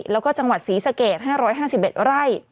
แล้วก็จังหวัดศรีสะเกด๕๕๑ไร่